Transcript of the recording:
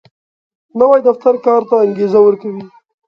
نوی دفتر کار ته انګېزه ورکوي